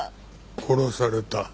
殺された。